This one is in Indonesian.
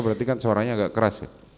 berarti kan suaranya agak keras